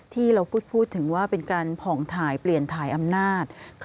ที่เราพูดถึงว่าเป็นการผ่องถ่ายเปลี่ยนถ่ายอำนาจ